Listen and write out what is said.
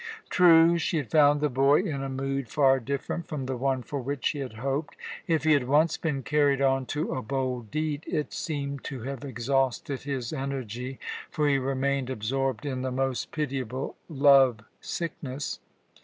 True, she had found the boy in a mood far different from the one for which she had hoped. If he had once been carried on to a bold deed, it seemed to have exhausted his energy; for he remained absorbed in the most pitiable love sickness.